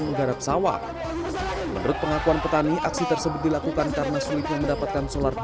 menggarap sawah menurut pengakuan petani aksi tersebut dilakukan karena sulitnya mendapatkan solar